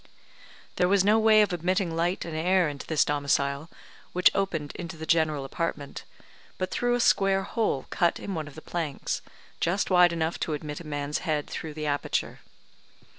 There was no way of admitting light and air into this domicile, which opened into the general apartment, but through a square hole cut in one of the planks, just wide enough to admit a man's head through the aperture.